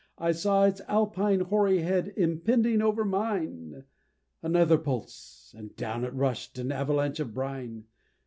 I saw its alpine hoary head impending over mine! Another pulse and down it rush'd an avalanche of brine!